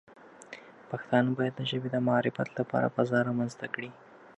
پښتانه باید د ژبې د معرفت لپاره فضا رامنځته کړي.